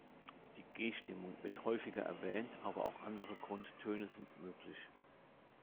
Die G-Stimmung wird häufiger erwähnt, aber auch andere Grundtöne sind möglich.